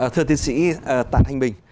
thưa tiến sĩ tạc thanh bình